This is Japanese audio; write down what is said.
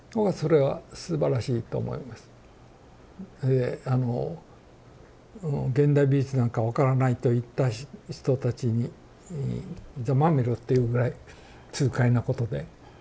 えあの「現代美術なんか分からない」と言った人たちに「ざまあみろ」っていうぐらい痛快なことで。